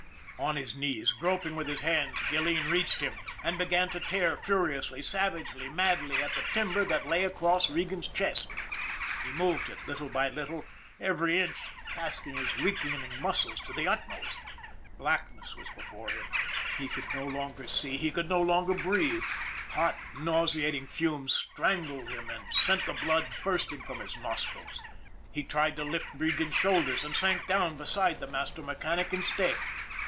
On his knees, groping with his hands, Gilleen reached him, and began to tear furiously, savagely, madly, at the timber that lay across Regan's chest. He moved it little by little, every inch tasking his weaken ing muscles to the utmost. Blackness was before him, he could no longer see, he could no longer breathe, hot, nauseating fumes strangled him and sent the blood bursting from his nostrils. He tried to lift Regan's shoulders and sank down beside the master mechanic instead.